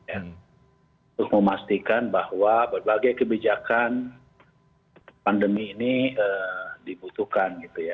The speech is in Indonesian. untuk memastikan bahwa berbagai kebijakan pandemi ini dibutuhkan gitu ya